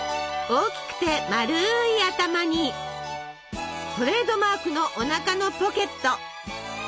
大きくて丸い頭にトレードマークのおなかのポケット。